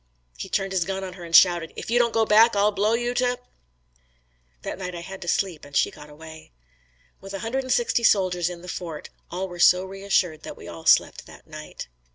He turned his gun on her and shouted, "If you don't go back, I'll blow you to h ." That night I had to sleep and she got away. With a hundred and sixty soldiers in the fort, all were so reassured that we all slept that night.